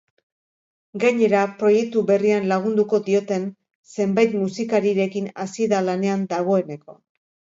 Gainera, proiektu berrian lagunduko dioten zenbait musikarirekin hasi da lanean dagoeneko.